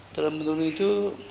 terang menurun itu